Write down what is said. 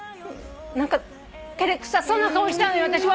何か照れくさそうな顔したの私分かったの。